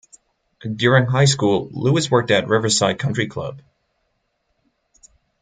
During high school, Lewis worked at Riverside Country Club.